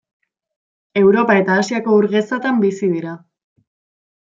Europa eta Asiako ur gezatan bizi dira.